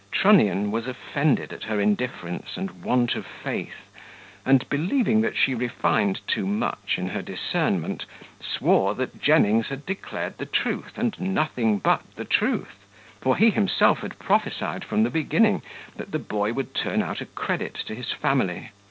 Trunnion was offended at her indifference and want of faith and believing that she refined too much in her discernment, swore that Jennings had declared the truth, and nothing but the truth; for he himself had prophesied, from the beginning, that the boy would turn out a credit to his family.